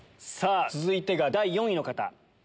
続いてが第４位の方。